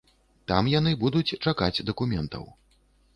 Там яны будуць чакаць дакументаў.